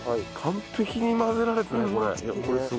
完璧に混ぜられたねこれ。